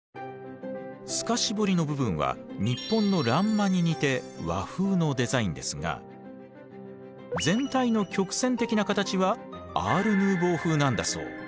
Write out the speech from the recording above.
透かし彫りの部分は日本の欄間に似て和風のデザインですが全体の曲線的な形はアール・ヌーヴォー風なんだそう。